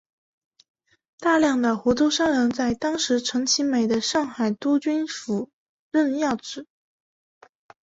大量的湖州商人在当时陈其美的上海督军府任要职。